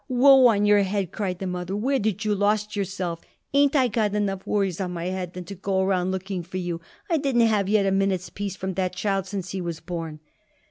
"Woe on your head!" cried the mother. "Where did you lost yourself? Ain't I got enough worries on my head than to go around looking for you? I didn't have yet a minute's peace from that child since he was born."